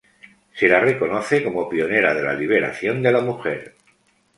Se la reconoce como pionera de la liberación de la mujer.